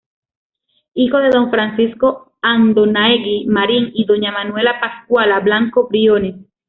Hijo de don Francisco Andonaegui Marín y doña Manuela Pascuala Blanco Briones.